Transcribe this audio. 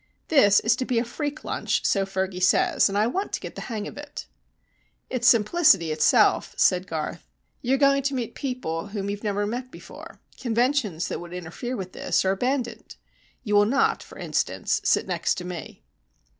"This is to be a freak lunch, so Fergy says, and I want to get the hang of it." "It's simplicity itself," said Garth. "You are going to meet people whom you have never met before. Conventions that would interfere with this are abandoned. You will not, for instance, sit next to me."